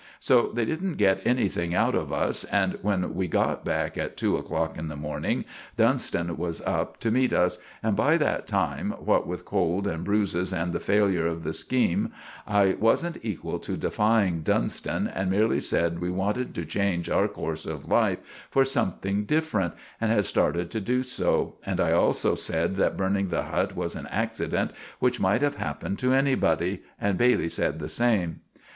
So they didn't get anything out of us, and when we got back, at two o'clock in the morning, Dunston was up to meet us; and by that time, what with cold and bruises and the failure of the skeem, I wasn't equal to defying Dunston, and merely sed we wanted to change our corse of life for something different, and had started to do so. And I also sed that burning the hut was an axsident which might have happened to anybody. And Bailey sed the same.